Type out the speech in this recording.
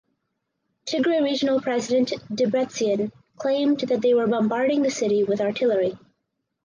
Tigray regional president Debretsion claimed that they were bombarding the city with artillery.